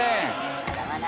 まだまだ。